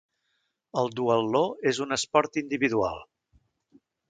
El duatló és un esport individual.